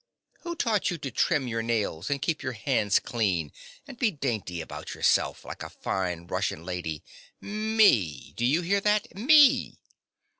Who taught you to trim your nails, and keep your hands clean, and be dainty about yourself, like a fine Russian lady? Me! do you hear that? me!